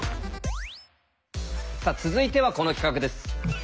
さあ続いてはこの企画です。